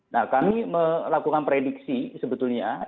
nah kami melakukan prediksi sebetulnya